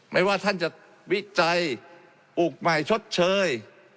ไม่ว่าท่านจะวิจัยปลูกใหม่ชดเชย